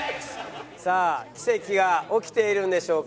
さあ奇跡は起きているんでしょうか？